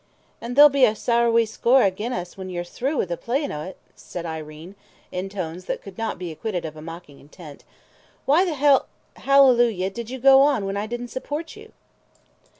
"And there'll be a sair wee score agin us when ye're through with the playin' o' it," said Irene, in tones that could not be acquitted of a mocking intent. "Why the hell hallelujah did you go on when I didn't support you?"